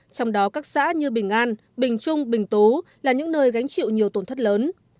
trong đó các xã như bình an bình trung bình tú là những nơi gánh chịu nhiều tổn thất lớn